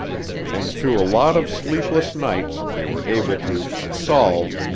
And through a lot of sleepless nights they were able to "solve" 97.